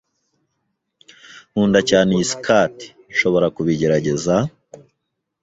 Nkunda cyane iyi skirt. Nshobora kubigerageza?